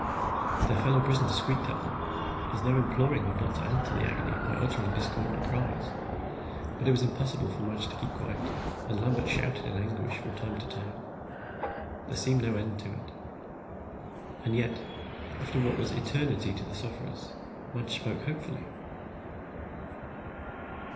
Their fellow prisoners squeaked at them, as though imploring them not to add to the agony by uttering discordant cries. But it was impossible for Madge to keep quiet, and Lambert shouted in anguish from time to time. There seemed to be no end to it. And yet, after what was eternity to the sufferers, Madge spoke hopefully.